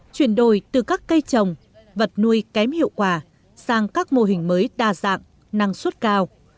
chuyển đổi từ các cây trồng vật nuôi kém hiệu quả sang các mô hình mới đa dạng năng suất cao